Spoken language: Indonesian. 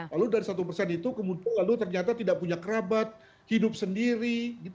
lalu dari satu persen itu kemudian lalu ternyata tidak punya kerabat hidup sendiri